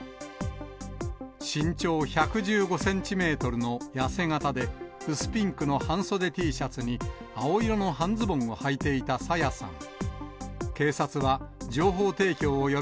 身長１１５センチメートルの痩せ形で、薄ピンクの半袖Ｔシャツに青色の半ズボンをはいていた朝芽さん。